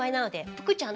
腹ちゃん。